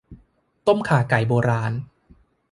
ต้มข่าไก่โบราณ